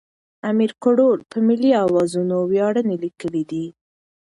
امیر کروړ په ملي اوزانو ویاړنې لیکلې دي.